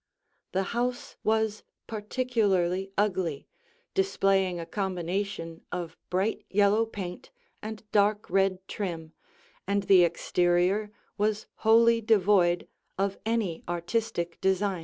The house was particularly ugly, displaying a combination of bright yellow paint and dark red trim, and the exterior was wholly devoid of any artistic design.